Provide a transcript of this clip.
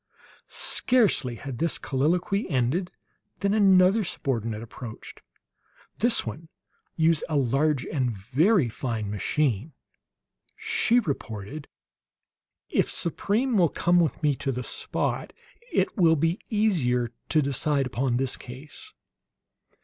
Scarcely had this colloquy ended than another subordinate approached. This one used a large and very fine machine. She reported: "If Supreme will come with me to the spot, it will be easier to decide upon this case."